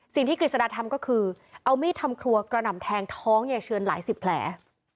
กฤษฎาทำก็คือเอามีดทำครัวกระหน่ำแทงท้องยายเชือนหลายสิบแผล